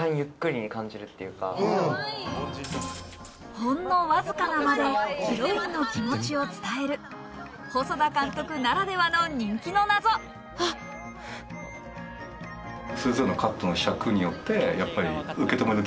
ほんのわずかな間でヒロインの気持ちを伝える、細田監督ならではの人気のナゾ。